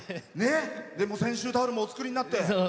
でも泉州タオルもお作りになって。